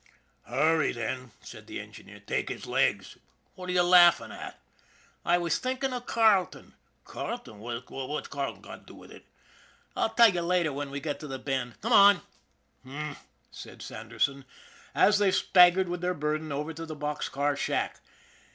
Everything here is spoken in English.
" Hurry, then/' said the engineer. " Take his legs. What are you laughing at ?"" I was thinking of Carleton," said Kelly. "Carleton? What's Carleton got to do with it?" " I'll tell you later when we get to the Bend. Come on." " H'm," said Sanderson, as they staggered with their burden over to the box car shack.